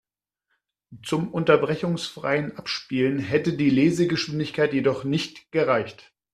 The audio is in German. Zum unterbrechungsfreien Abspielen hätte die Lesegeschwindigkeit jedoch nicht gereicht.